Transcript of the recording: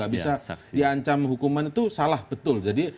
gak bisa di ancam hukuman itu salah betul jadi